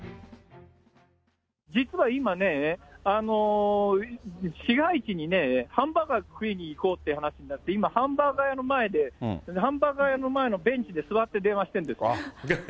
実は今ね、市街地にね、ハンバーガーを食いに行こうっていう話になって、今、ハンバーガー屋の前で、ハンバーガー屋の前のベンチで座って電話してるんです。